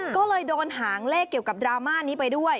ก็เลยโดนหางเลขเกี่ยวกับดราม่านี้ไปด้วย